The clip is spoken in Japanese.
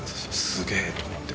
すげぇとかって。